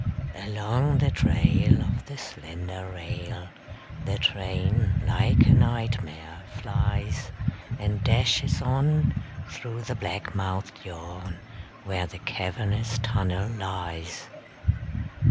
Along the trail Of the slender rail The train, like a nightmare, flies And dashes on Through the black mouthed yawn Where the cavernous tunnel lies.